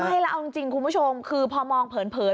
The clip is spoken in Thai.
กระเยาะจริงคุณผู้ชมคือพอมองเผิน